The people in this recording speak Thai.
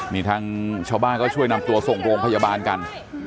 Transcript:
นี่ทางชาวบ้านก็ช่วยนำตัวส่งโรงพยาบาลกัน